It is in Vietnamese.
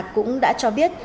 cũng đã cho biết